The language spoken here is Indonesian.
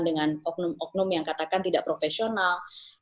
dengan oknum oknum yang katakan tidak profesional